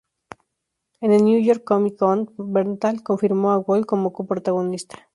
En el New York Comic Con, Bernthal confirmó a Woll como coprotagonista.